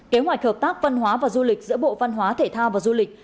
một mươi bảy kế hoạch hợp tác văn hóa và du lịch giữa bộ văn hóa thể thao và du lịch